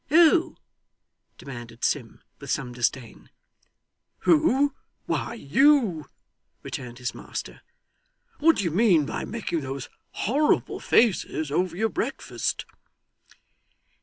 'Who?' demanded Sim, with some disdain. 'Who? Why, you,' returned his master. 'What do you mean by making those horrible faces over your breakfast?